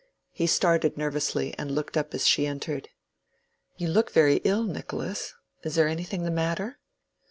He started nervously and looked up as she entered. "You look very ill, Nicholas. Is there anything the matter?"